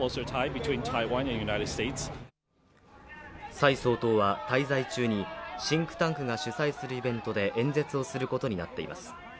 蔡総統は滞在中にシンクタンクが主催するイベントで演説をすることになっています。